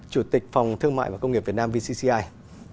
chủ tịch phòng thương mại và công nghiệp việt nam vcci